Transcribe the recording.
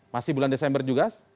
masih bulan desember juga